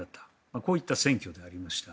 こういった選挙でありました。